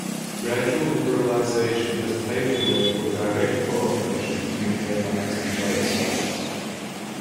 Gradual liberalization has paved the way for direct cooperation between airlines from both sides.